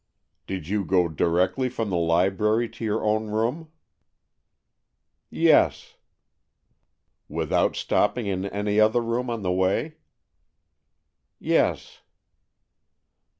"Did you go directly from the library to your own room?" "Yes." "Without stopping in any other room on the way?" "Yes."